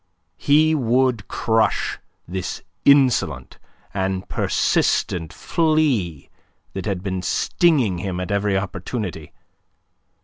He would crush this insolent and persistent flea that had been stinging him at every opportunity.